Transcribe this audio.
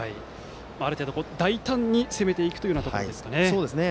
ある程度、大胆に攻めていくというところですかね。